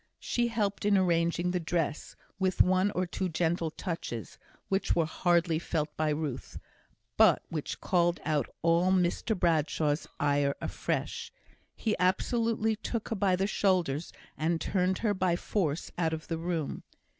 She helped in arranging the dress, with one or two gentle touches, which were hardly felt by Ruth, but which called out all Mr Bradshaw's ire afresh; he absolutely took her by the shoulders and turned her by force out of the room.